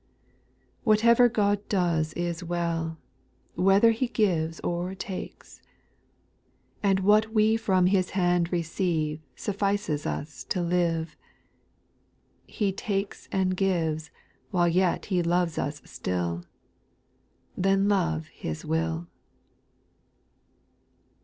2. Whatever God does is well, Whether he gives or takes ! And what we from His hand receive Suffices us to live. He takes and gives, while yet He loves ua still.— Then love His will.